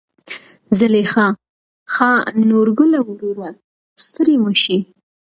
زليخا: ښا نورګله وروره ستړى مشې.